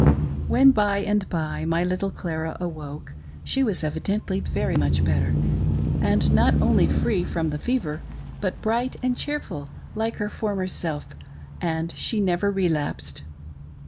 When, by and by, my little Clara awoke, she was evidently very much better, and not only free from the fever, but bright and cheerful, like her former self, and she never re lapsed.